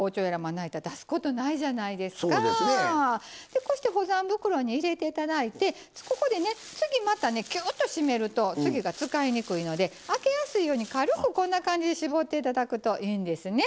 でこうして保存袋に入れて頂いてここでね次またねキューッと閉めると次が使いにくいので開けやすいように軽くこんな感じで絞って頂くといいんですね。